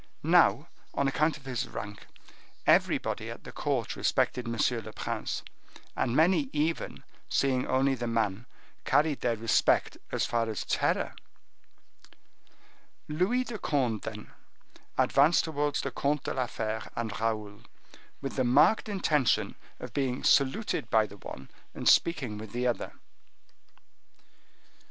Now, on account of his rank, everybody at the court respected M. le Prince, and many even, seeing only the man, carried their respect as far as terror. Louis de Conde then advanced towards the Comte de la Fere and Raoul, with the marked intention of being saluted by the one, and of speaking with the other.